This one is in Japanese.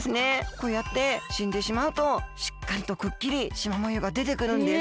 こうやってしんでしまうとしっかりとくっきりしまもようがでてくるんです。